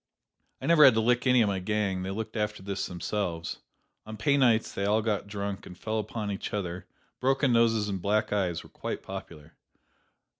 I never had to lick any of my gang: they looked after this themselves. On pay nights they all got drunk and fell upon each other broken noses and black eyes were quite popular.